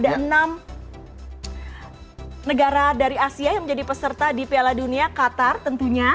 ada enam negara dari asia yang menjadi peserta di piala dunia qatar tentunya